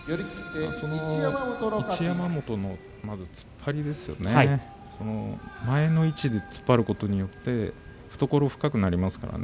一山本の突っ張りですね前の位置で突っ張ることによって懐が深くなりますね。